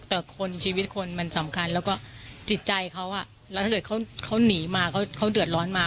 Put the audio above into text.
แต่คนชีวิตคนมันสำคัญแล้วก็จิตใจเขาแล้วถ้าเกิดเขาหนีมาเขาเดือดร้อนมา